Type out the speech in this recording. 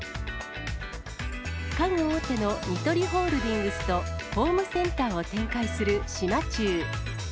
家具大手のニトリホールディングスと、ホームセンターを展開する島忠。